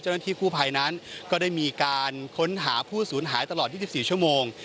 เจ้าหน้าที่กู้ภัยนั้นก็ได้มีการค้นหาผู้สูญหายตลอด๒๔ชั่วโมง